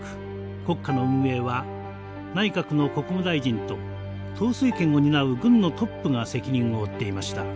国家の運営は内閣の国務大臣と統帥権を担う軍のトップが責任を負っていました。